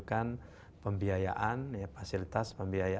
karena kita sudah